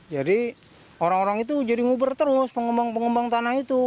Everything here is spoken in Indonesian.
jadi orang orang itu jadi nguber terus pengembang pengembang tanah itu